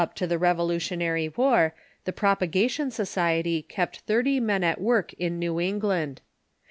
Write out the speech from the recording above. ^^^j^ ^^^j^ jj^^ ^^^^^ Revolutionary War the Propagation Society kept thirty men at work in New England.